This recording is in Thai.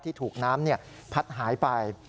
ที่ถูกน้ำพัดหายไป